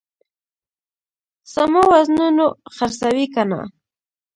سمو وزنونو خرڅوي کنه.